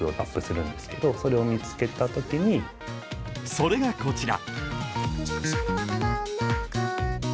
それがこちら。